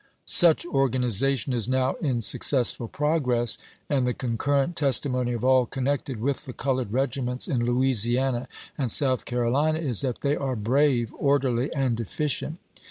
Such organization is now in successful progress, and the concurrent testimony of all connected with the colored regiments in Louisiana and South Carolina is that they are brave, orderly, and efficient.